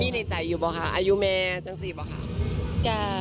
มีในใจอยู่เปล่าค่ะอายุแมร์จังสิบเปล่าค่ะ